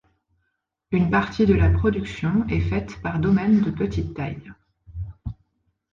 Une partie de la production est faite par domaines de petites tailles.